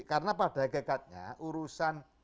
karena pada kekatnya urusan